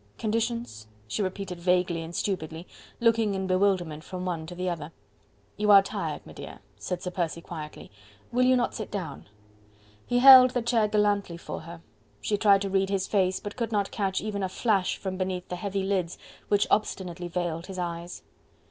"Conditions?" she repeated vaguely and stupidly, looking in bewilderment from one to the other. "You are tired, m'dear," said Sir Percy quietly, "will you not sit down?" He held the chair gallantly for her. She tried to read his face, but could not catch even a flash from beneath the heavy lids which obstinately veiled his eyes.